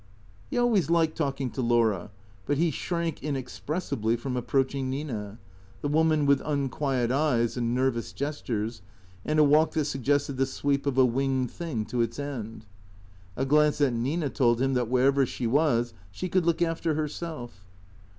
He always liked talking to Laura ; but he shrank inexpressibly from approaching Nina, the woman with unquiet eyes and nerv ous gestures, and a walk that suggested the sweep of a winged thing to its end. A glance at Nina told him that wherever she was she could look after herself.